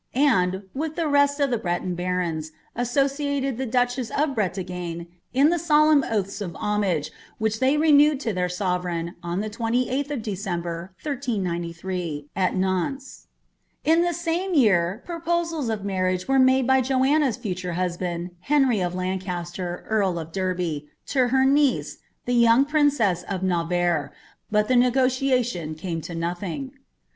and, with ihe rest of the Btelon barons, associated the diirhens of tin tague in the Rolemn oaths of hom;^ which tliey renewed to lliriT sovereign, on the 28th of December, 13S3, at Nantes.* In the name year proposals of marriage were made by Joanna's (utun husband, Henry of Lancaster, earl of Derby, to her uie^re, the yonof princess of Navarre, but the n^oliation came to nothing.